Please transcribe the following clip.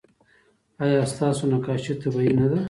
ایا ستاسو نقاشي طبیعي نه ده؟